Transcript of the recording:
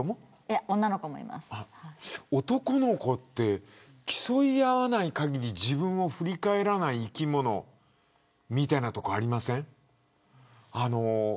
男の子って競い合わないかぎり自分を振り返らない生き物みたいなところありませんか。